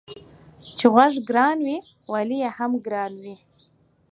چي غوږ گران وي والى يې هم گران وي.